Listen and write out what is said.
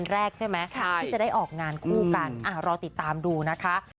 รอติดตามดูนะคะ